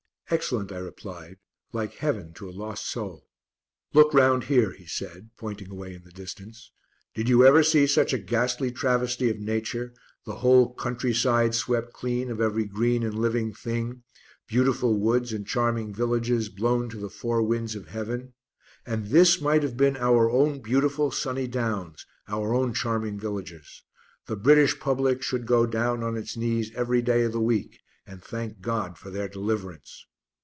"Excellent," I replied, "like heaven to a lost soul." "Look round here," he said, pointing away in the distance. "Did you ever see such a ghastly travesty of nature, the whole country side swept clean of every green and living thing, beautiful woods and charming villages blown to the four winds of heaven, and this might have been our own beautiful sunny downs, our own charming villages. The British public should go down on its knees every day of the week and thank God for their deliverance."